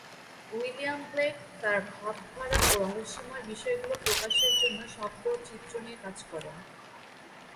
William Blake তার ভাবধারা ও রহস্যময় বিষয়গুলো প্রকাশের জন্য শব্দ ও চিত্র নিয়ে কাজ করেন।